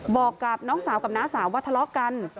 บอกกับน้องสาวกับน้าสาวว่าทะเลาะกัน